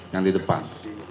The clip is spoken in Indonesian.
yang di depan